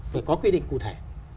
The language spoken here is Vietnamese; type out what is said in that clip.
phải có quy định cụ thể